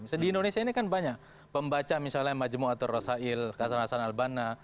misalnya di indonesia ini kan banyak pembaca misalnya majmu'atul rasail hasan al banna